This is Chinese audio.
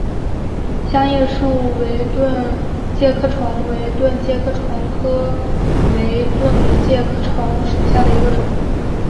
香叶树围盾介壳虫为盾介壳虫科围盾介壳虫属下的一个种。